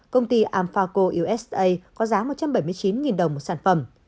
công ty alphaco usa có giá một trăm bảy mươi chín đồng một sản phẩm